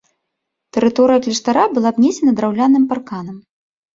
Тэрыторыя кляштара была абнесена драўляным парканам.